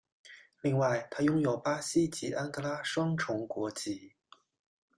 另外他拥有巴西及安哥拉双重国籍。